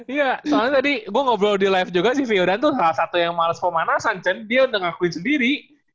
iya soalnya tadi gue ngobrol di live juga sih vio dan tuh salah satu yang males pemanasan dan dia udah ngakuin sendiri